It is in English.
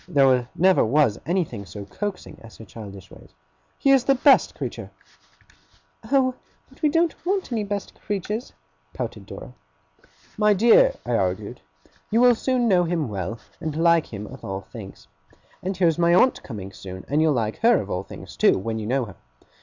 (There never was anything so coaxing as her childish ways.) 'He is the best creature!' 'Oh, but we don't want any best creatures!' pouted Dora. 'My dear,' I argued, 'you will soon know him well, and like him of all things. And here is my aunt coming soon; and you'll like her of all things too, when you know her.